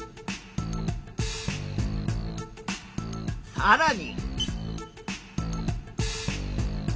さらに。